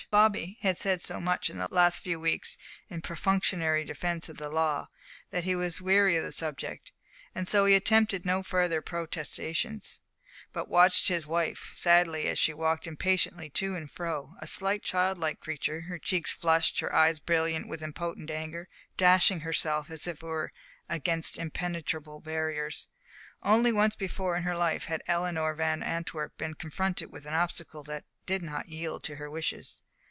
Bobby had said so much in the last few weeks in perfunctory defence of the law that he was weary of the subject, and so he attempted no further protestations, but watched his wife sadly as she walked impatiently to and fro; a slight, childlike creature, her cheeks flushed, her eyes brilliant with impotent anger, dashing herself as it were against impenetrable barriers. Only once before in her life had Eleanor Van Antwerp been confronted with an obstacle that did not yield to her wishes.